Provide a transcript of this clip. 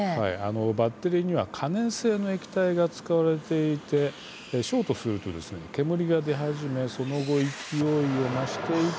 バッテリーには可燃性の液体が使われていてショートすると煙が出始めその後、勢いを増していき